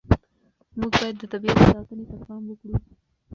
موږ باید د طبیعت ساتنې ته پام وکړو.